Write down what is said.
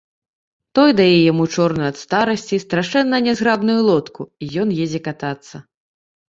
Той дае яму чорную ад старасці, страшэнна нязграбную лодку, і ён едзе катацца.